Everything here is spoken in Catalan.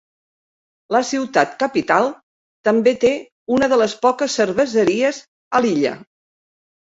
La ciutat capital també té una de les poques cerveseries a l'illa.